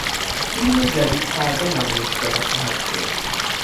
فیلم جدید فردا نمایش داده خواهدشد.